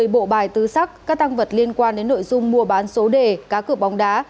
một mươi bộ bài tứ sắc các tăng vật liên quan đến nội dung mua bán số đề cá cược bóng đá